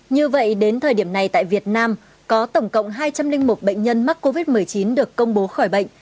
như vậy đến thời điểm này tại việt nam có tổng cộng hai trăm linh một bệnh nhân mắc covid một mươi chín được công bố khỏi bệnh